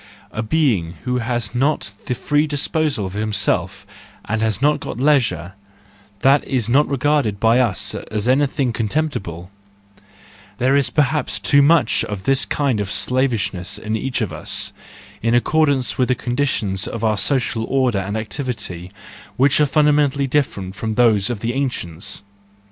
A being who has not the free disposal of himself and has not got leisure, —that is not regarded by us as anything con¬ temptible ; there is perhaps too much of this kind of slavishness in each of us, in accordance with the conditions of our social order and activity, which are fundamentally different from those of the ancients.